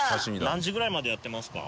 何時ぐらいまでやってますか？